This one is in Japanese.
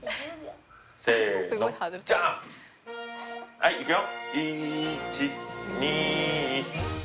はいいくよ。